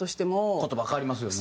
言葉変わりますよね。